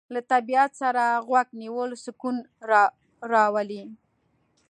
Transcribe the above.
له طبیعت سره غوږ نیول سکون راولي.